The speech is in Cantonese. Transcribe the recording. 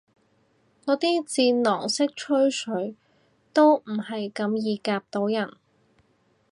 我啲戰狼式吹水都唔係咁易夾到人